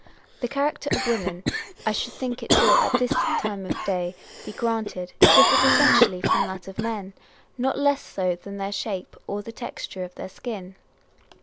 The character of women (I should think it will at this time of day be granted) differs essentially from that of men, not less so than their shape or the texture of their skin.